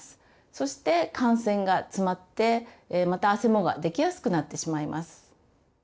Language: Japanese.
そして汗腺が詰まってまたあせもができやすくなってしまいます。